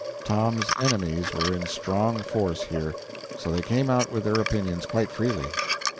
Tom's enemies were in strong force here, so they came out with their opinions quite freely.